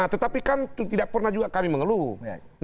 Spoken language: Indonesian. tetapi kan tidak pernah juga kami mengeluh